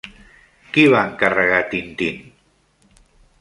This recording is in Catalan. Qui va encarregar Tintín?